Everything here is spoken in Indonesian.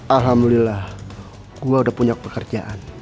alhamdulillah gue udah punya pekerjaan